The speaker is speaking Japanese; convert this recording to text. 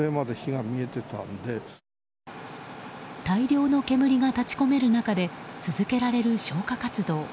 大量の煙が立ち込める中で続けられる消火活動。